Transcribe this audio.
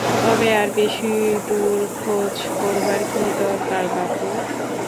তবে আর বেশিদূর খোঁজ করবার কী দরকার বাপু?